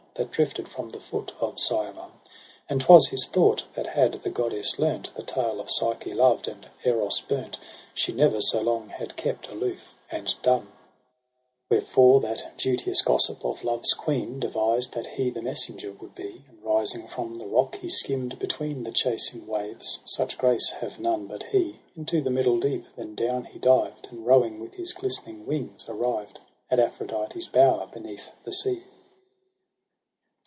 That drifted from the foot of Cyamum ; And 'twas his thought, that had the goddess learnt The tale of Psyche loved and Eros burnt. She ne'er so long had kept aloof and dumb. SEPTEMBER i+p 6 Wherefore that duteous gossip of Love's queen Devised that he the messenger would be 5 And rising from the rock, he skim'd between The chasing waves — such grace have none but he j — Into the middle deep then down he dived. And rowing with his glistening wings arrived At Aphrodite's bower beneath the sea.